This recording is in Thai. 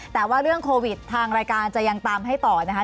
แต่ว่าเรื่องโควิดทางรายการจะยังตามให้ต่อนะคะ